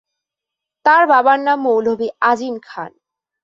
তার বাবার নাম মৌলভি আজিম খান।